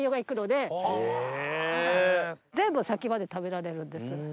全部先まで食べられるんです。